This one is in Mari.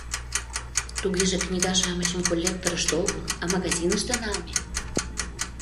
Тугеже, книга-шамычым коллекторышто огыл, а магазиныште налме.